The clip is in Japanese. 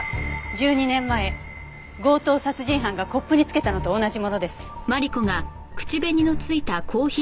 １２年前強盗殺人犯がコップに付けたのと同じものです。